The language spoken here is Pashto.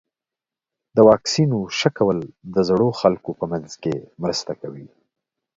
د واکسینونو ښه کول د زړو خلکو په منځ کې مرسته کوي.